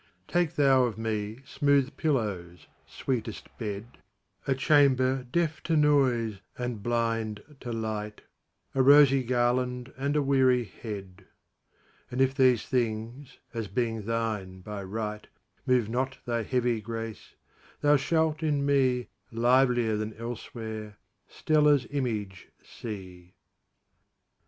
Take thou of me smooth pillows, sweetest bed,A chamber deaf to noise and blind to light,A rosy garland and a weary head:And if these things, as being thine by right, Move not thy heavy grace, thou shalt in me, Livelier than elsewhere, Stella's image see.